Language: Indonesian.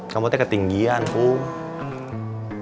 kamu katanya ketinggian kum